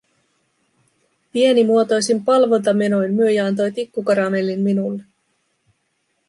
Pienimuotoisin palvontamenoin myyjä antoi tikkukaramellin minulle.